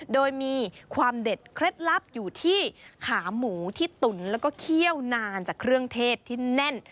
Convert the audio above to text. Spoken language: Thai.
โดยมีความเด็ดเคล็ดลับอยู่ที่ขาหมูที่ตุ๋นแล้วก็เคี่ยวนานจากเครื่องเทศที่แน่น